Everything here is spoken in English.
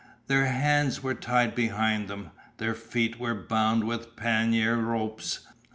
Their hands were tied behind them. Their feet were bound with pannier ropes.